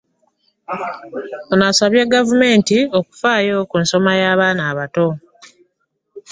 Ono asabye gavumenti okufaayo ku nsoma y'abaana abato.